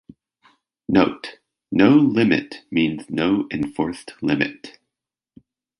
Note: No limit means no enforced limit.